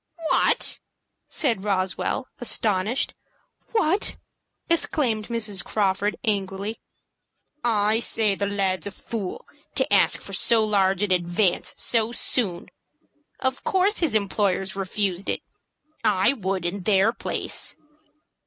"What!" said Roswell, astonished. "WHAT!" exclaimed Mrs. Crawford, angrily. "I say the lad's a fool to ask for so large an advance so soon. Of course his employers refused it. I would, in their place."